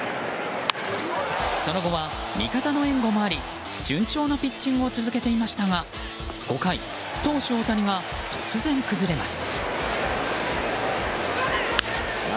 その後は味方の援護もあり順調なピッチングを続けていましたが５回、投手・大谷が突然崩れます。